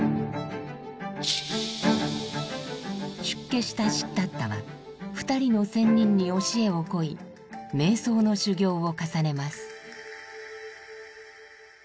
出家したシッダッタは２人の仙人に教えをこい「瞑想」の修行を重ねます。